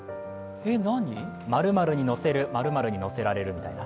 ○○に乗せる、○○に乗せられるみたいな。